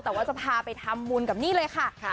แต่ว่าจะพาไปทำบุญกับนี่เลยค่ะ